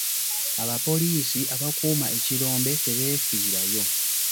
Abapoliisi abakuuma ekirombe tebeefiirayo.